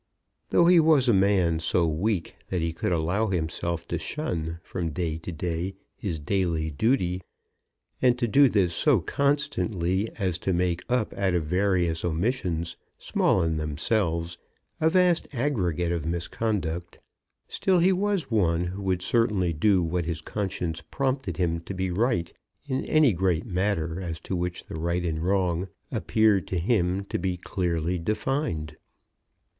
Though he was a man so weak that he could allow himself to shun from day to day his daily duty, and to do this so constantly as to make up out of various omissions, small in themselves, a vast aggregate of misconduct, still he was one who would certainly do what his conscience prompted him to be right in any great matter as to which the right and the wrong appeared to him to be clearly defined.